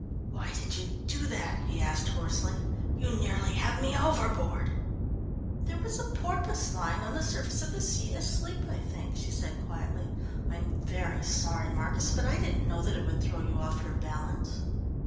"Why did you do that?" he asked hoarsely. "You nearly had me overboard." "There was a porpoise lying on the surface of the sea, asleep, I think," she said quietly. "I'm very sorry, Marcus, but I didn't know that it would throw you off your balance."